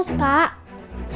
sikmat yang dikira